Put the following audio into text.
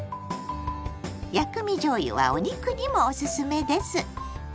「薬味じょうゆ」はお肉にもオススメです。